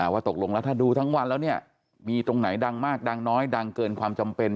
ว่าตกลงแล้วถ้าดูทั้งวันแล้วเนี่ยมีตรงไหนดังมากดังน้อยดังเกินความจำเป็น